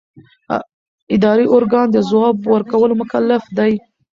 اداري ارګان د ځواب ورکولو مکلف دی.